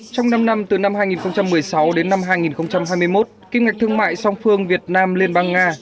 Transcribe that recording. trong năm năm từ năm hai nghìn một mươi sáu đến năm hai nghìn hai mươi một kim ngạch thương mại song phương việt nam liên bang nga